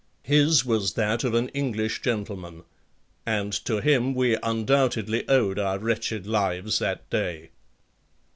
His was that of an English gentleman. And to him we undoubtedly owed our wretched lives that day.